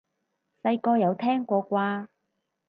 細個有聽過啩？